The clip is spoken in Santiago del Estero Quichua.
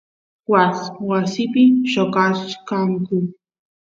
waas wasipi lloqachkanku